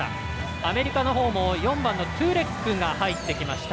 アメリカのほうも４番のトュレックが入っていきました。